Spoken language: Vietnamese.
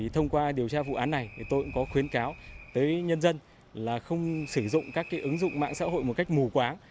thông qua điều tra vụ án này tôi cũng có khuyến cáo tới nhân dân là không sử dụng các ứng dụng mạng xã hội một cách mù quáng